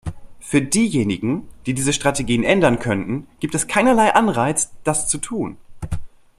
Für diejenigen, die diese Strategien ändern könnten, gibt es keinerlei Anreiz, das zu tun.